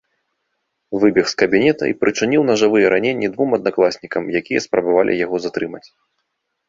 Выбег з кабінета і прычыніў нажавыя раненні двум аднакласнікам, якія спрабавалі яго затрымаць.